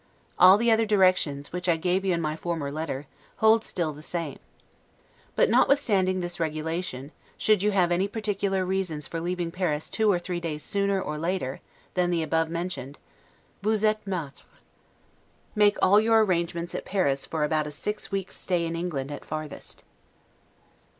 All the other directions, which I gave you in my former letter, hold still the same. But, notwithstanding this regulation, should you have any particular reasons for leaving Paris two or three days sooner or later, than the above mentioned, 'vous etes maitre'. Make all your arrangements at Paris for about a six weeks stay in England at farthest.